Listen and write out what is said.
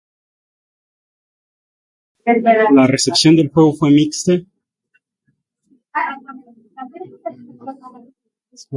La recepción del juego fue mixta.